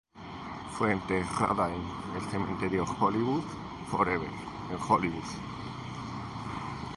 Fue enterrada en el Cementerio Hollywood Forever, en Hollywood.